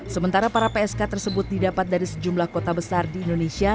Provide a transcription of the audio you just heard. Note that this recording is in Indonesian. sementara para psk tersebut didapat dari sejumlah kota besar di indonesia